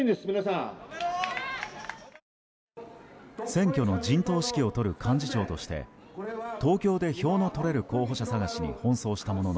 選挙の陣頭指揮を執る幹事長として東京で票の取れる候補者探しに奔走したものの